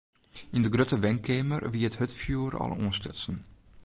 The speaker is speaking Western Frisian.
Yn de grutte wenkeamer wie it hurdfjoer al oanstutsen.